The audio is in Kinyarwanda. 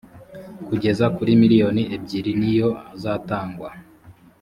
kugeza kuri miliyoni ebyiri niyo azatangwa